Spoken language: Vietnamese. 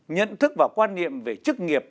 nhận thức và quan niệm về chức nghiệp